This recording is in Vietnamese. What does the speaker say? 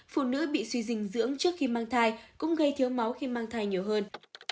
phụ nữ bị suy dinh dưỡng trước khi mang thai cũng gây thiếu máu khi mang thai nhiều hơn